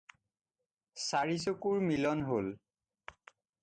চাৰি চকুৰ মিল হ'ল